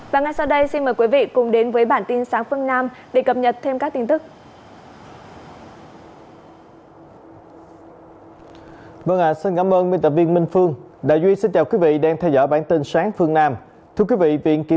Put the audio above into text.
hãy đăng ký kênh để ủng hộ kênh mình nhé